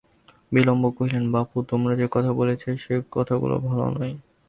বিল্বন কহিলেন, বাপু, তোমারা যে কথা বলছিলে সে কথাগুলো ভালো নয়।